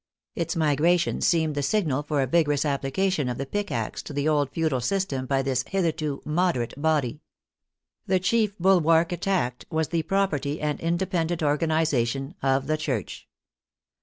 Its migration seemed the sig nal for a vigorous application of the pickax to the old feudal system b}^ this hitherto " moderate " body. The chief bulwark attacked v/as the property and independent organization of the Church.